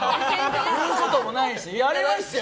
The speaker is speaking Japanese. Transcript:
言うこともないしやれないですよ。